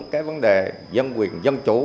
cái vấn đề dân quyền dân chủ